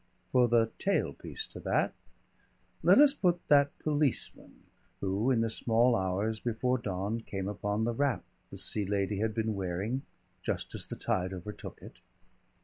For the tailpiece to that, let us put that policeman who in the small hours before dawn came upon the wrap the Sea Lady had been wearing just as the tide overtook it.